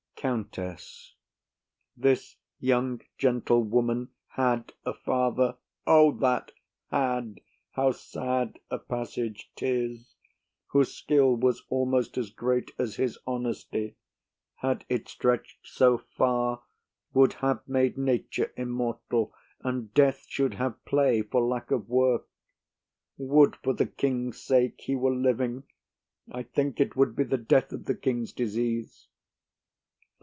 COUNTESS. This young gentlewoman had a father—O that "had!", how sad a passage 'tis!—whose skill was almost as great as his honesty; had it stretch'd so far, would have made nature immortal, and death should have play for lack of work. Would for the king's sake he were living! I think it would be the death of the king's disease.